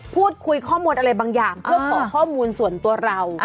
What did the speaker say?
พูดคุยข้อมูลอะไรบางอย่างเพื่อขอข้อมูลส่วนตัวเรา